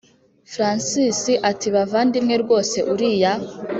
francis ati”bavandi rwose uriya